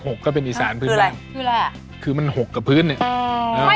ลาบหกก็เป็นอีสานพื้นบ้านคือมันหกกับพื้นเนี่ยอ๋อ